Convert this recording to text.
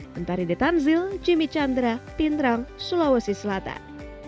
bentar di the tanzil jimmy chandra pinterang sulawesi selatan